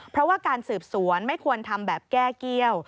เพราะว่าการสืบสวนไม่ควรทำแบบแก้เกี้ยว